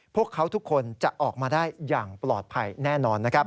พวกเขาทุกคนจะออกมาได้อย่างปลอดภัยแน่นอนนะครับ